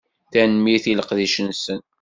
Tanemmirt i leqdic-nsen.